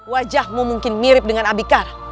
wajahmu mungkin mirip dengan abicar